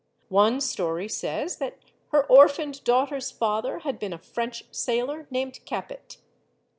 One story says that her orphaned daughter's father had been a French sailor named Capet.